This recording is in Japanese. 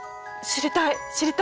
知りたい！